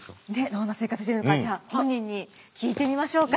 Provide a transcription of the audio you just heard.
どんな生活してるのかじゃあ本人に聞いてみましょうか。